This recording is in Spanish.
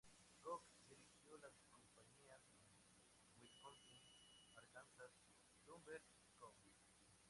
Cook dirigió las Compañías "Wisconsin-Arkansas Lumber Co.